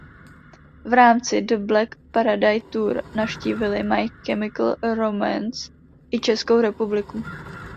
V rámci The Black Parade Tour navštívili My Chemical Romance i Českou republiku.